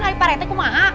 hari pak rete kumaha